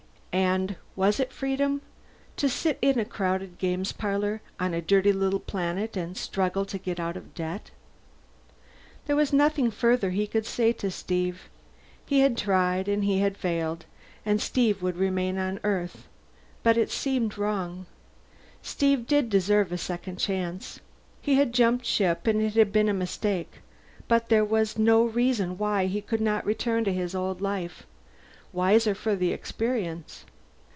And was it freedom, to sit in a crowded games parlor on a dirty little planet and struggle to get out of debt? There was nothing further he could say to Steve. He had tried, and he had failed, and Steve would remain on Earth. But it seemed wrong. Steve did deserve a second chance. He had jumped ship and it had been a mistake, but there was no reason why he could not return to his old life, wiser for the experience.